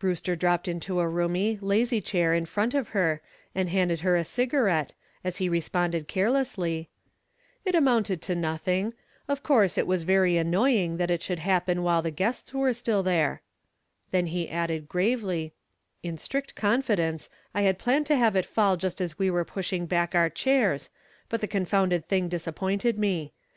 Brewster dropped into a roomy, lazy chair in front of her and handed her a cigarette, as he responded carelessly: "It amounted to nothing. Of course, it was very annoying that it should happen while the guests were still there." Then he added, gravely: "In strict confidence, I had planned to have it fall just as we were pushing back our chairs, but the confounded thing disappointed me.